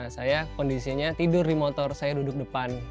saya kondisinya tidur di motor saya duduk depan